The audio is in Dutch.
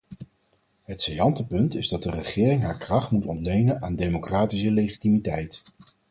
Het saillante punt is dat de regering haar kracht moet ontlenen aan democratische legitimiteit.